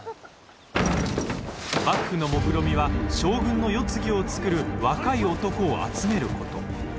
幕府のもくろみは将軍の世継ぎを作る若い男を集めること。